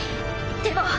でも。